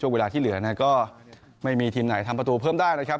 เวลาที่เหลือเนี่ยก็ไม่มีทีมไหนทำประตูเพิ่มได้นะครับ